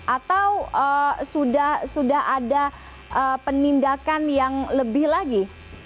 atau sudah ada penindakan yang lebih lagi